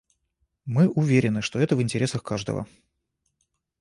Мы уверены, что это в интересах каждого.